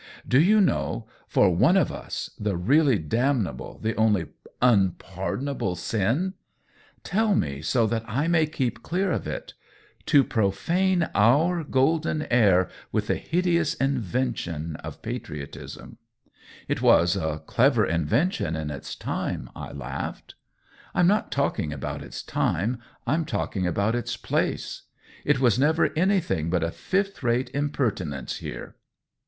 " Do you know — for one of us — the really damnable, the only unpardonable, sin ?"" Tell me, so that I may keep clear of it !"" To profane our golden air with the hideous invention of patriotism." " It was a clever invention in its time !" I laughed. 134 COLLABORATION " I'm not talking about its time — Vm talking about its place. It was never any thing but a fifth rate impertinence here.